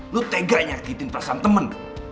lu tega nyakitin perasaan temen